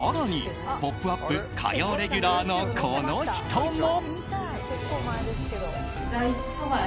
更に「ポップＵＰ！」火曜レギュラーのこの人も。